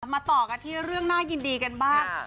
มาต่อกันที่เรื่องน่ายินดีกันบ้าง